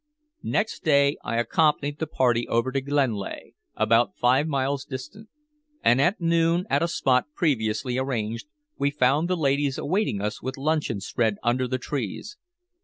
Next day I accompanied the party over to Glenlea, about five miles distant, and at noon at a spot previously arranged, we found the ladies awaiting us with luncheon spread under the trees.